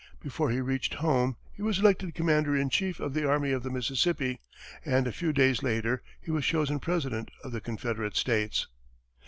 Before he reached home, he was elected commander in chief of the Army of the Mississippi, and a few days later, he was chosen President of the Confederate States.